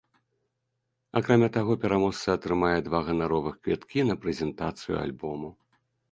Акрамя таго, пераможца атрымае два ганаровых квіткі на прэзентацыю альбому.